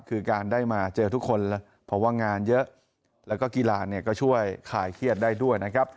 คือการได้มาเจอทุกคนเพราะว่างานเยอะแล้วก็กีฬาเนี่ยก็ช่วยคลายเครียดได้ด้วยนะครับ